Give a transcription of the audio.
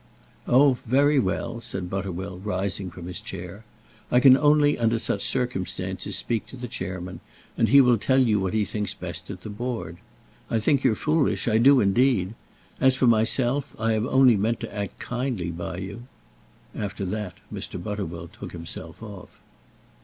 "Oh! very well," said Butterwell, rising from his chair. "I can only, under such circumstances, speak to the Chairman, and he will tell you what he thinks at the Board. I think you're foolish; I do, indeed. As for myself, I have only meant to act kindly by you." After that, Mr. Butterwell took himself off.